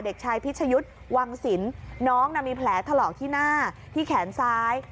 เด็กชายพิชยุทธ์วังศิลป์น้องมีแผลถลอกที่หน้าที่แขนซ้าย